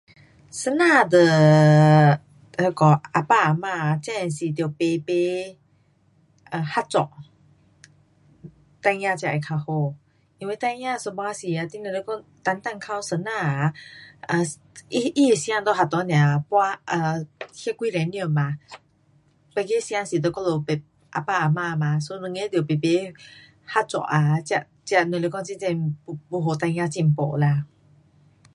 先生跟那个阿爸阿妈啊真的是得排排啊合作。孩儿才会较好。因为孩儿一半时啊，你若是讲单单靠先生啊，啊，他，他的时间在学堂只半，啊，那几点钟嘛，别个时间是跟我们排，阿爸阿妈嘛，so 两个得排排合作才，才若是讲真真要给孩儿进步啦。